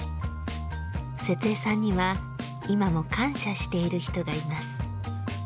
節江さんには今も感謝している人がいます。